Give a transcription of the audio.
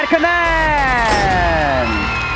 ๒๕๘คะแนน